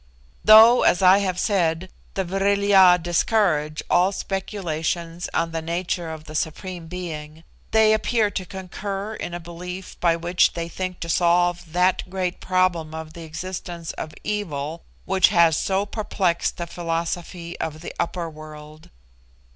Though, as I have said, the Vril ya discourage all speculations on the nature of the Supreme Being, they appear to concur in a belief by which they think to solve that great problem of the existence of evil which has so perplexed the philosophy of the upper world.